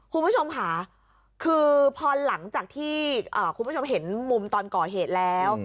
คุณผู้ชมค่ะคือพอหลังจากที่คุณผู้ชมเห็นมุมตอนก่อเหตุแล้ว